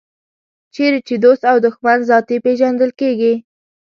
چېرې چې دوست او دښمن ذاتي پېژندل کېږي.